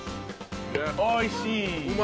おいしい！